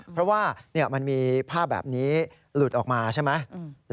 เพราะว่ามันมีภาพแบบนี้หลุดออกมาใช่ไหม